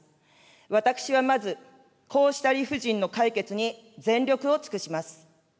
私はまず、こうした理不尽の解決に全力を尽くします。